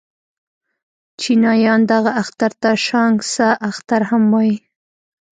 چينایان دغه اختر ته شانګ سه اختر هم وايي.